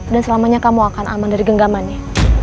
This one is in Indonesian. dan selamanya kamu akan aman dari genggamannya